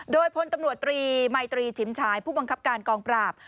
โดยพลตำรวจตรีมัยตรีชิมฉายผู้บังคับการกองปราบ